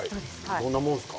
こんなもんですか？